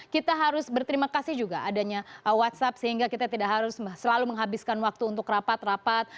kita harus berterima kasih juga adanya whatsapp sehingga kita tidak harus selalu menghabiskan waktu untuk rapat rapat